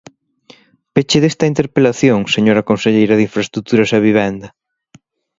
Peche desta interpelación, señora conselleira de Infraestruturas e Vivenda.